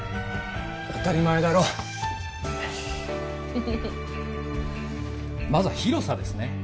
当たり前だろまずは広さですね